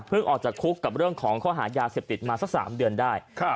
เพิ่งออกจากคุกกับเรื่องของเขาหายาเสพติดมาสักสามเดือนได้ครับ